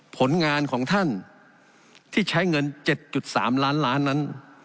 ผลงานของท่านที่ใช้เงิน๗๓ล้านล้านนั้น